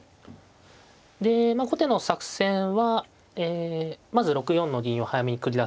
でまあ後手の作戦はまず６四の銀を早めに繰り出す